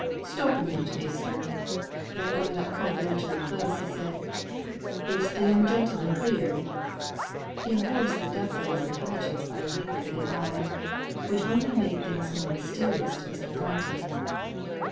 "Stop a minute, measter." Then going up confidentially close, he said, "Is th' young gentleman cleared?" He enforced the depth of his intelligence by a wink of the eye, which only made things more mysterious to Mr. Thornton.